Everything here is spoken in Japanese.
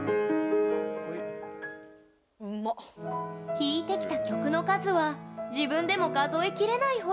弾いてきた曲の数は自分でも数えきれない程。